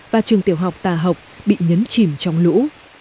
và trường tiểu học tà học bị nhấn chìm trong lũ